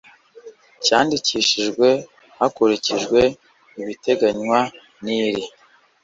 cyandikishijwe hakurikijwe ibiteganywa n iri